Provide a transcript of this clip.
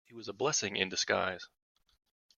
It was a blessing in disguise.